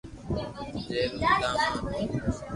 جي رو سودھا ما ھتو